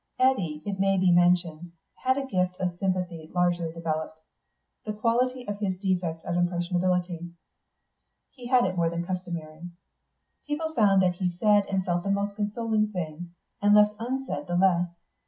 Eddy, it may have been mentioned, had the gift of sympathy largely developed the quality of his defect of impressionability. He had it more than is customary. People found that he said and felt the most consoling thing, and left unsaid the less.